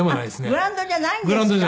グラウンドじゃないんですか。